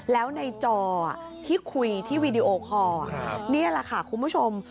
แล้วในจอที่คุยที่วีดีโอคอร์นี่แหละค่ะคุณผู้ชม